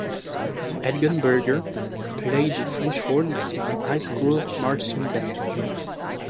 Helgenberger played the French horn in her high school marching band.